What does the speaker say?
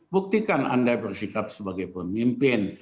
buktikan anda bersikap sebagai pemimpin